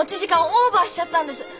オーバーしちゃったんです。